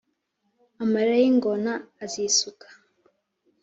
Amarira y'ingona azisuka